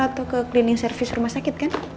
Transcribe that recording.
atau ke cleaning service rumah sakit kan